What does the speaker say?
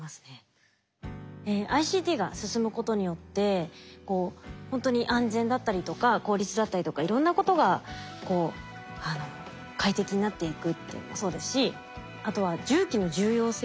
ＩＣＴが進むことによってほんとに安全だったりとか効率だったりとかいろんなことがこう快適になっていくっていうのもそうですしあとは重機の重要性。